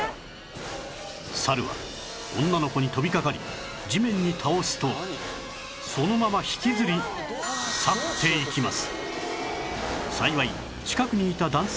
サルは女の子に飛びかかり地面に倒すとそのまま引きずり去っていきます